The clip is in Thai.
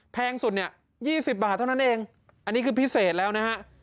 แพงสุดเนี่ย๒๐บาทเท่านั้นเองอันนี้คือพิเศษแล้วนะฮะ